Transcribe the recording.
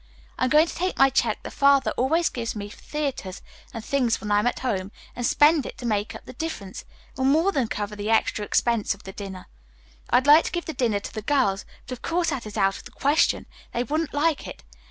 I'm going to take my check that Father always gives me for theatres and things when I'm at home, and spend it to make up the difference. It will more than cover the extra expense of the dinner. I'd like to give the dinner to the girls, but of course that is out of the question. They wouldn't like it.